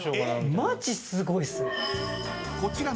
マジすごいっすね。